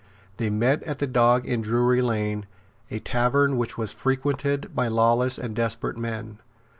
They met at the Dog in Drury Lane, a tavern which was frequented by lawless and desperate men.